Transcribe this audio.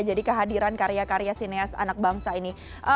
jadi kehadiran karya karya sineas anak bangsa ini